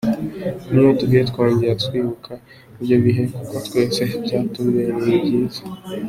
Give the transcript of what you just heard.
N’iyo duhuye twongera kwibuka ibyo bihe kuko twese byatubereye byiza.